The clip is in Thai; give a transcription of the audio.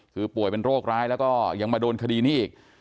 คือป่วยเป็นโรคร้ายแล้วก็ยังมาโดนคดีนี้อีก